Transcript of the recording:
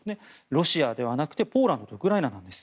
ロシアではなくてポーランドとウクライナなんです。